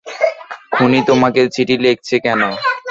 খুনী তোমাকে চিঠি লিখছে কেন?